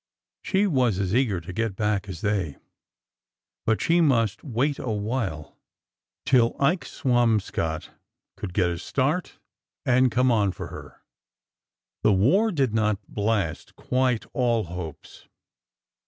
She was as eager to get back as they, but she must wait a while— till Ike SWam scott could get a start and come on for her. The war did not blast quite all hopes.